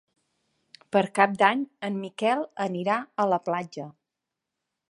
Per Cap d'Any en Miquel anirà a la platja.